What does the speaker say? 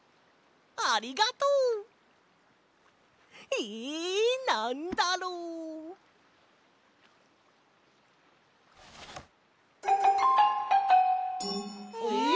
ありがとう！えなんだろう？えっ？